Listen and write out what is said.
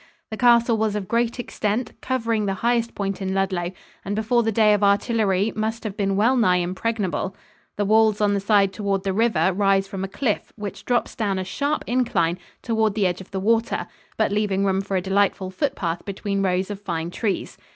The castle was of great extent, covering the highest point in Ludlow, and before the day of artillery must have been well nigh impregnable. The walls on the side toward the river rise from a cliff which drops down a sharp incline toward the edge of the water but leaving room for a delightful foot path between rows of fine trees.